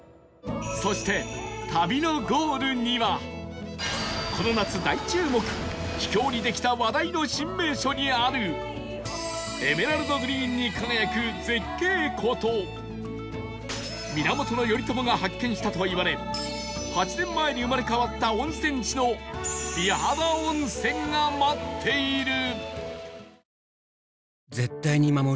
そして旅のゴールにはこの夏大注目秘境にできた話題の新名所にあるエメラルドグリーンに輝く絶景湖と源頼朝が発見したといわれ８年前に生まれ変わった温泉地の美肌温泉が待っている